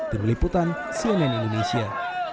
terbeliputan cnn indonesia